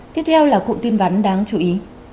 tiếp theo là cụm tin vắn đáng chú ý